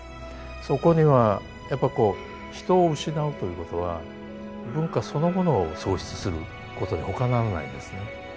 そこにはやっぱこう人を失うということは文化そのものを喪失することにほかならないんですね。